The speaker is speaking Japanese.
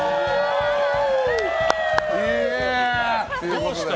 どうした？